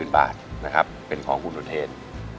บาทนะครับเป็นของคุณอุเทน